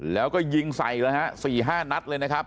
แล้วก็ยิงใส่แล้วฮะสี่ห้านัดเลยนะครับ